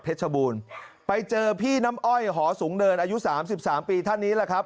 เพชรบูรณ์ไปเจอพี่น้ำอ้อยหอสูงเดินอายุ๓๓ปีท่านนี้ละครับ